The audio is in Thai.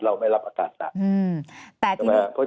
เราไม่รับอาการก่อน